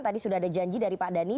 tadi sudah ada janji dari pak dhani